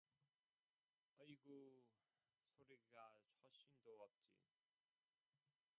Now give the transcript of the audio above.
어이구 소리가 처신도 없지